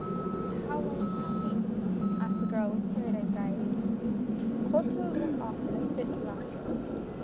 " And how long will that be ?" asked the girl, with timid anxiety. Clotilde went off in a fit of laughter.